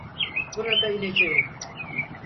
Burada ineceğim.